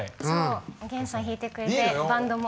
おげんさん弾いてくれてバンドも。